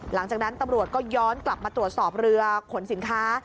หลังจากนั้นตำรวจก็ย้อนกลับมาตรวจสอบเรือขนสินค้า